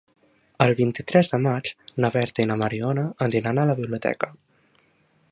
El vint-i-tres de maig na Berta i na Mariona aniran a la biblioteca.